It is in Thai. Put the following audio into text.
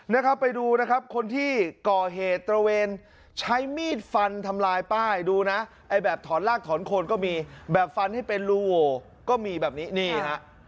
นะครับไปดูนะครับคนที่ก่อเหตุตระเวนใช้มีดฟันทำลายป้ายดูนะไอ้แบบถอนลากถอนโคนก็มีแบบฟันให้เป็นรูโหวก็มีแบบนี้นี่ฮะ